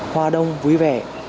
hoa đông vui vẻ